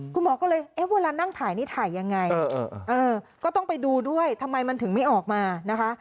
คุณหมอก็เลยเอ๊ะเวลานั่งถ่ายนี่ถ่ายยังไงก็ต้องไปดูด้วยทำไมมันถึงไม่ออกมานะคะ